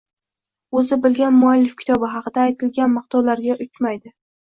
O‘zini bilgan muallif kitobi haqida aytilgan maqtovlarga uchmaydi